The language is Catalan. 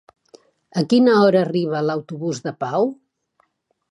A quina hora arriba l'autobús de Pau?